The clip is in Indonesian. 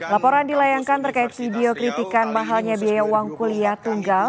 laporan dilayangkan terkait video kritikan mahalnya biaya uang kuliah tunggal